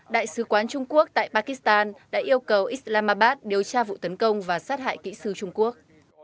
đại sứ quán trung quốc tại pakistan đã yêu cầu islamabad điều tra vụ tấn công và sát hại kỹ sư trung quốc